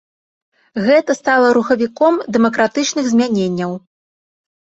Гэта стала рухавіком дэмакратычных змяненняў.